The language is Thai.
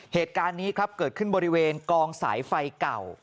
เหตุการณ์นี้ครับเกิดขึ้นบริเวณกองสายไฟเก่า